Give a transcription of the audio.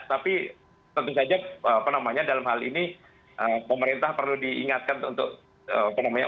tapi tentu saja apa namanya dalam hal ini pemerintah perlu diingatkan